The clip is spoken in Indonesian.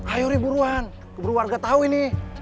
ayo re buruan beru warga tau ini